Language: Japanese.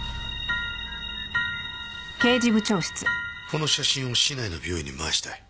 この写真を市内の病院に回したい？